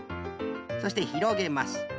そしてひろげます。